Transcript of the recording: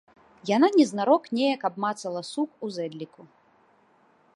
Яна незнарок неяк абмацала сук у зэдліку.